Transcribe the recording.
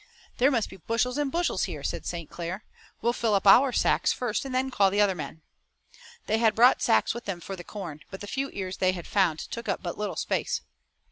"There must be bushels and bushels here," said St. Clair. "We'll fill up our sacks first and then call the other men." They had brought sacks with them for the corn, but the few ears they had found took up but little space.